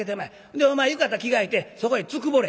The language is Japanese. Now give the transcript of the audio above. でお前浴衣着替えてそこへつくぼれ」。